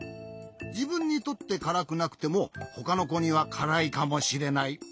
じぶんにとってからくなくてもほかのこにはからいかもしれない。